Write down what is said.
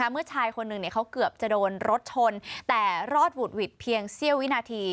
เมื่อชายคนหนึ่งเขาเกือบจะโดนรถชนแต่รอดหวุดหวิดเพียงเสี้ยววินาที